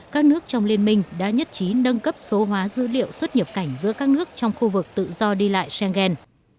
các nước trong liên minh đã nhất trí nâng cấp số hóa dữ liệu xuất nhập cảnh giữa các nước trong khu vực tự do đi lại schengen